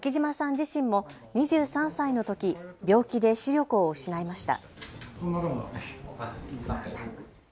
自身も２３歳のとき病気で視力を失いました。